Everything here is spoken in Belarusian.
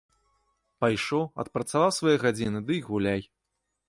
Пайшоў, адпрацаваў свае гадзіны ды і гуляй.